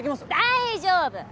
大丈夫！